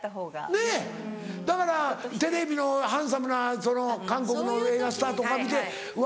ねぇだからテレビのハンサムな韓国の映画スターとか見てうわ